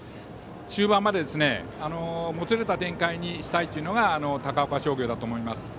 終盤までもつれた展開にしたいというのが高岡商業だと思います。